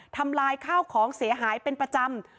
ทำลายข้าวของเสียหายเป็นประจำ